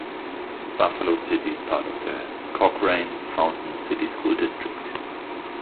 Buffalo City is part of the Cochrane-Fountain City School District.